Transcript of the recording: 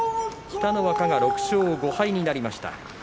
北の若が６勝５敗になりました。